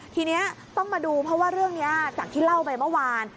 ทีนี้ต้องมาดูเพราะว่าเรื่องนี้จากที่เล่าไปเมื่อวาน